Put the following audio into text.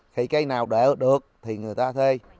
thì cây nào đỡ được thì người ta thê